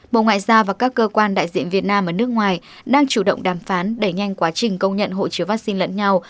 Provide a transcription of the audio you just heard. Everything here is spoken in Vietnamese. bộ ngoại giao và các cơ quan đại diện việt nam ở nước ngoài đang chủ động đàm phán đẩy nhanh quá trình công nhận hộ chiếu vaccine lẫn nhau